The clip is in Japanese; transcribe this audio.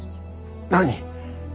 何。